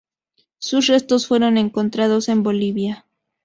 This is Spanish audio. Sus restos fueron encontrados en Bolivia.